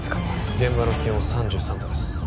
現場の気温３３度です